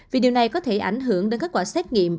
vì điều này có thể ảnh hưởng đến kết quả xét nghiệm